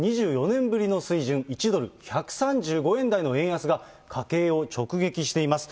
２４年ぶりの水準、１ドル１３５円台の円安が家計を直撃しています。